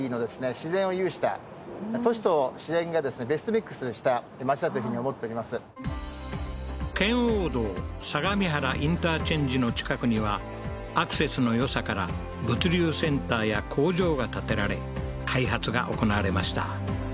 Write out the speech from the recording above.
自然を有した圏央道相模原インターチェンジの近くにはアクセスの良さから物流センターや工場が建てられ開発が行われました